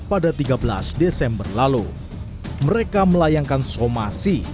pada tiga belas desember lalu mereka melayangkan somasi